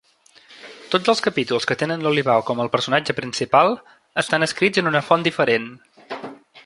Tots els capítols que tenen l'Olivaw com el personatge principal estan escrits en una font diferent.